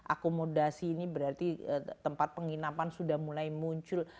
akomodasi ini berarti tempat penginapan sudah mulai muncul